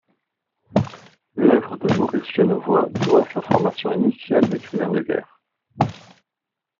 L'œuvre de Maurice Genevoix doit à sa formation initiale d'écrivain de guerre.